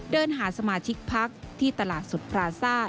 เดินหาสมาชิกพักที่ตลาดสุดพราซ่า